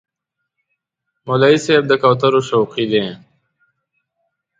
مولوي صاحب د کوترو شوقي دی.